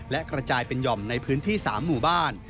และกระจายเป็นหย่อมในพื้นที่๓หมู่บ้าน